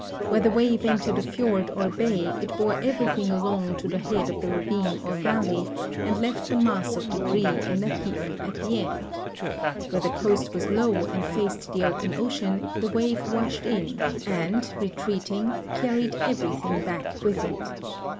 Where the wave entered a fiord or bay it bore everything along to the head of the ravine or valley and left the mass of debris in a heap at the end. Where the coast was low and faced the open ocean the wave washed in and, retreating, carried everything back with it.